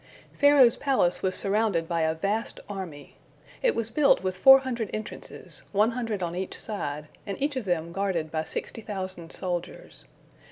Pharaoh's palace was surrounded by a vast army. It was built with four hundred entrances, one hundred on each side, and each of them guarded by sixty thousand soldiers.